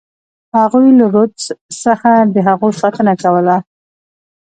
هغوی له رودز څخه د هغو ساتنه کوله.